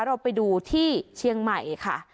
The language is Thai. เราไปดูที่เชียงใหม่ค่ะ